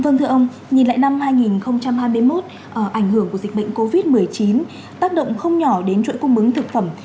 vâng thưa ông nhìn lại năm hai nghìn hai mươi một ảnh hưởng của dịch bệnh covid một mươi chín tác động không nhỏ đến chuỗi cung bướng thực phẩm